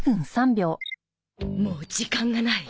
もう時間がない。